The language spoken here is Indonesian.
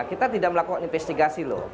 kita tidak melakukan investigasi loh